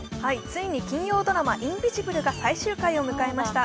ついに金曜ドラマ「インビジブル」が最終回を迎えました。